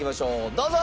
どうぞ！